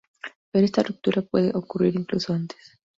Pero esta ruptura puede ocurrir incluso antes.